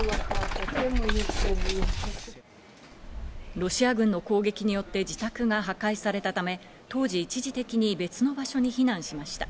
ロシア軍の攻撃によって自宅が破壊されたため当時、一時的に別の場所に避難しました。